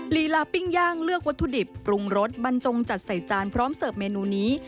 ลีลาปิ้งย่างเลือกวัตถุดิบปรุงรสบรรจงจัดใส่จานพร้อมเสิร์ฟเมนูนี้